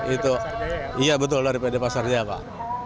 itu iya betul dari pd pasar jaya pak